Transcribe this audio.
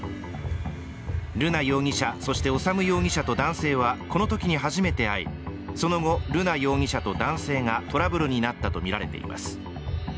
瑠奈容疑者、そして修容疑者と男性はこのときに初めて会いその後、瑠奈容疑者と男性がトラブルになったとみられています。